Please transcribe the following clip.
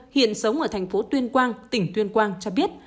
hiện sống ở thành phố tuyên quang tỉnh tuyên quang cho biết